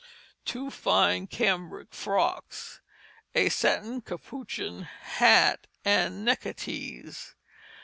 2 Fine Cambrick Frocks. A Satin Capuchin, hat, and neckatees.